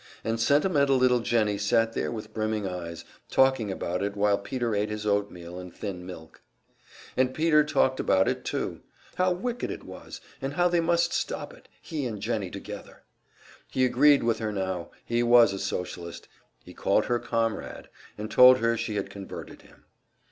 And sentimental little Jennie sat there with brimming eyes, talking about it while Peter ate his oatmeal and thin milk. And Peter talked about it too; how wicked it was, and how they must stop it, he and Jennie together. He agreed with her now; he was a Socialist, he called her "Comrade," and told her she had converted him.